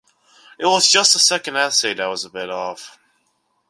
It was just the second essay that was a bit off.